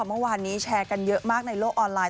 เมื่อวานนี้แชร์กันเยอะมากในโลกออนไลน